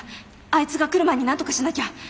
あいつが来る前になんとかしなきゃ。